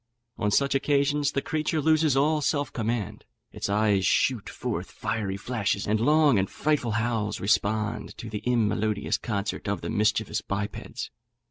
On such occasions the creature loses all self command, its eyes shoot forth fiery flashes, and long and frightful howls respond to the immelodious concert of the mischievous bipeds.